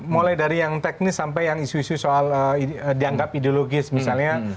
mulai dari yang teknis sampai yang isu isu soal dianggap ideologis misalnya